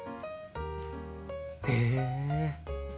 へえ。